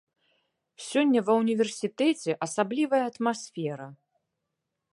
Сёння ва ўніверсітэце асаблівая атмасфера.